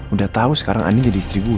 udah tau sekarang andi jadi istri bui